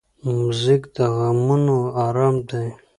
موزیک د غمونو آرام دی.